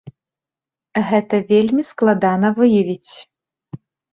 Гэта вельмі складана выявіць.